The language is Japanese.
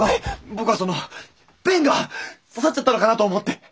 僕はそのペンが刺さっちゃったのかなと思って！